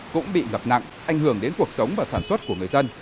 cũng bị ngập nặng ảnh hưởng đến cuộc sống và sản xuất của người dân